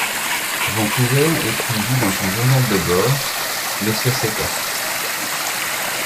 Vancouver écrivit dans son journal de bord mais sur ses cartes.